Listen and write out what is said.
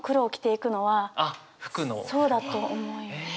そうだと思います。